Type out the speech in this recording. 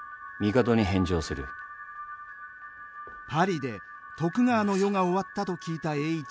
パリで徳川の世が終わったと聞いた栄一。